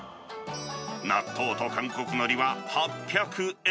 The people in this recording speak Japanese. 納豆と韓国のりは８００円。